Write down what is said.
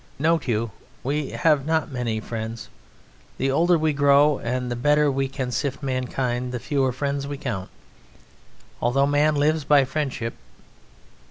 Note you, we have not many friends. The older we grow and the better we can sift mankind, the fewer friends we count, although man lives by friendship.